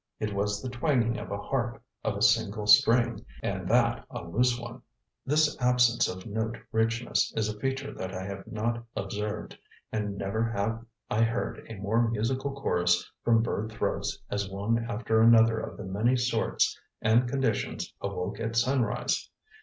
It was the twanging of a harp of a single string, and that a loose one." This absence of note richness is a feature that I have not observed, and never have I heard a more musical chorus from bird throats as one after another of the many sorts and conditions awoke at sunrise.